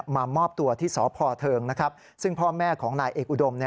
มามอบตัวที่สพเทิงซึ่งพ่อแม่ของนายเอกอุดม